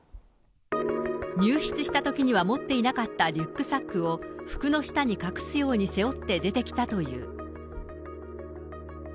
入室したときには持っていなかったリュックサックを、服の下に隠すように背負って出てきたという。